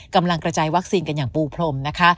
กำลังกระจายวัคซีนกันอย่างปูพรมนะคะ